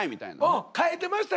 うん変えてましたよ。